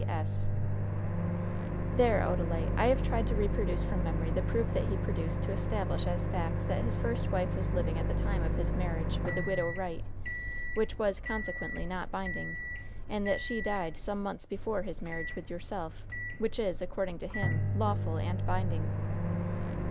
C.S.' "There, Odalite, I have tried to reproduce from memory the proof that he produced to establish as facts that his first wife was living at the time of his marriage with the Widow Wright, which was, consequently, not binding, and that she died some months before his marriage with yourself, which is, according to him, lawful and binding."